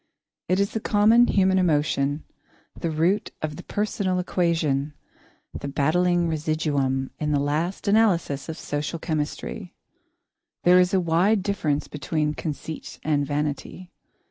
It is the common human emotion, the root of the personal equation, the battling residuum in the last analysis of social chemistry. There is a wide difference between conceit and vanity.